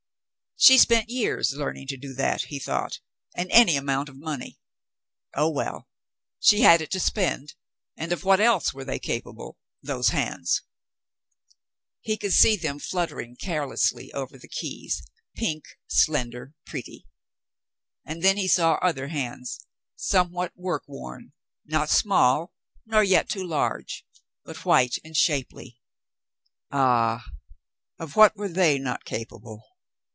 She spent years learning to do that, he thought, and any amount of money. Oh, well. She had it to spend, and of what else were they capable — those hands ? He could see them jfluttering caressingly over the keys, pink, slender, pretty, — and then he saw other hands, somewhat work worn, not small nor yet too large, but white and shapely. Ah ! Of what were they not capable